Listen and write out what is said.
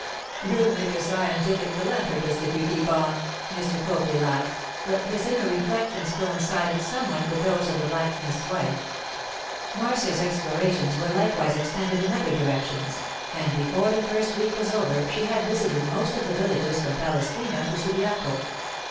'You'll make a scientific philanthropist if you keep on,' Mr. Copley laughed, but his inner reflections coincided somewhat with those of the blacksmith's wife. Marcia's explorations were likewise extended in other directions, and before the first week was over she had visited most of the villages from Palestrina to Subiaco.